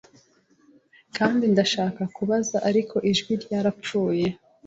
Kandi ndashaka kubaza ariko ijwi ryarapfuye